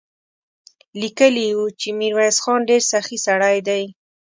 ليکلي يې و چې ميرويس خان ډېر سخي سړی دی.